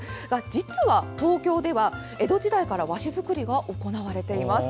実は、東京では江戸時代から和紙作りが行われています。